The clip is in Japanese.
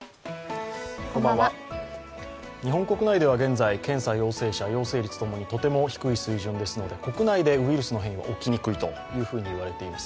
日本国内では現在検査陽性者とても低い水準ですので国内でウイルスの異変は起きにくいといわれています。